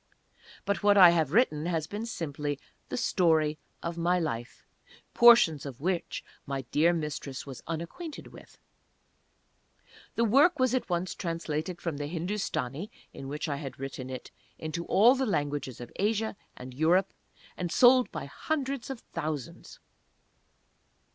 But what I have written has been simply the Story of my Life, portions of which my dear Mistress was unacquainted with. The work was at once translated from the Hindustani, in which I had written it, into all the languages of Asia and Europe, and sold by hundreds of thousands.